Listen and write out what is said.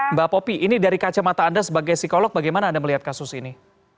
mbak popi ini dari kacamata anda sebagai psikolog bagaimana anda melihat kasus ini